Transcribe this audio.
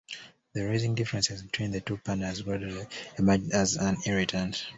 The rising differences between the two partners gradually emerged as an irritant.